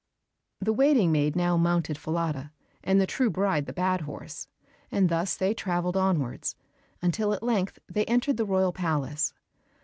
The waiting maid now mounted Falada, and the true bride the bad horse, and thus they traveled onwards, until at length they entered the royal palace.